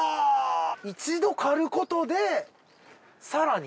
一度刈ることで更に？